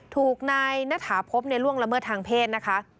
ถูกนายณฑาภพในร่วมละเมิดทางเพศ